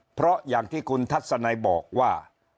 เพราะอย่างที่คุณทัศนัยบอกว่า